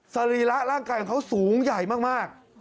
สรีระร่างกายของเขาสูงใหญ่มาก